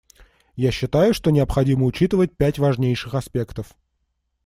Я считаю, что необходимо учитывать пять важнейших аспектов.